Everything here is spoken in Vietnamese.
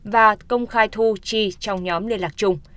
và công khai thu chi trong nhóm liên lạc chung